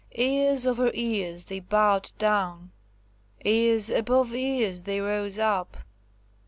Ears over ears they bowed down; ears above ears they rose up.